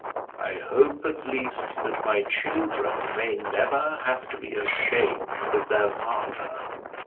I hope, at least, that my children may never have to be ashamed of their father."